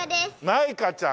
マイカちゃん。